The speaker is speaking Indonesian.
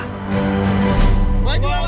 rupiah rupiah rupiah